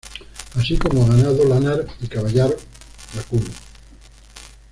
Así como ganado lanar y caballar, vacuno.